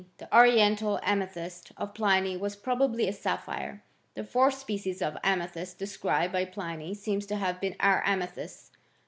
The oriental amethyst of Pliny was probably a sapphire. The fourth species of amethyst described by Pliny, seems to have been our amethyst.